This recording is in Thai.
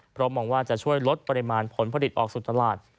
เพราะมองว่าจะช่วยลดปริมาณผลผลิตออกสู่ตลาด